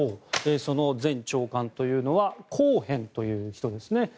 その前長官というのはコーヘンという人ですね。